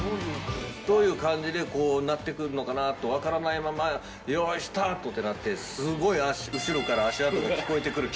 どういう感じで、こうなってくんのかなと分からないまま、用意スタートってなって、すごい後ろから、足音が聞こえてくる恐